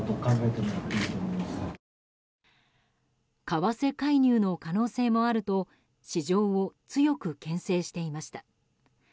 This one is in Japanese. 為替介入の可能性もあると市場を強く牽制していました。